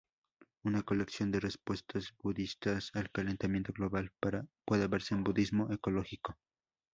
Una colección de respuestas budistas al calentamiento global puede verse en budismo ecológico.